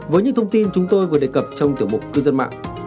với những thông tin chúng tôi vừa đề cập trong tiểu mục cư dân mạng